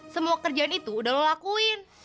semua kerjaan itu udah lo lakuin